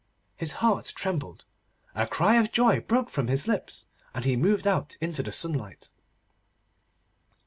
His heart trembled, a cry of joy broke from his lips, and he moved out into the sunlight.